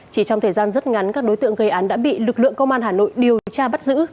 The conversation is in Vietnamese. chỉ trong thời gian rất ngắn các đối tượng gây án đã bị lực lượng công an hà nội điều tra bắt giữ